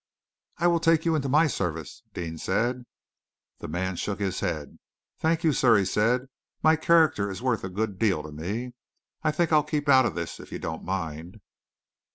"I will take you into my service," Deane said. The man shook his head. "Thank you, sir," he said. "My character is worth a good deal to me. I think I'll keep out of this, if you don't mind."